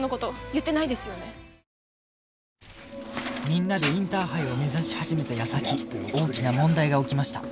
みんなでインターハイを目指し始めた矢先大きな問題が起きました